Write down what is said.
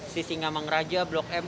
sisi ngamang raja blok m